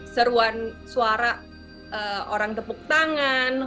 seruan suara orang tepuk tangan